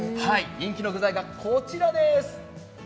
人気の具材がこちらです。